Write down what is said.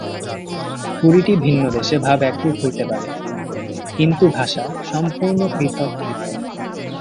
কুড়িটি ভিন্ন দেশে ভাব একরূপ হইতে পারে, কিন্তু ভাষা সম্পূর্ণ পৃথক পৃথক্।